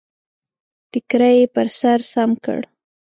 ټکری يې پر سر سم کړ.